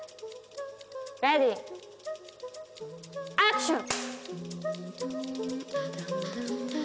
レディーアクション！